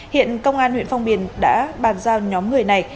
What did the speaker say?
hiện công an huyện phong điền đã bàn giao nhóm người này